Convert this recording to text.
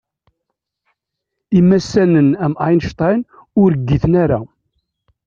Imassanen am Einstein ur ggiten ara.